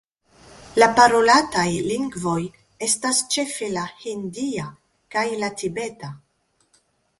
La parolataj lingvoj estas ĉefe la hindia kaj la tibeta.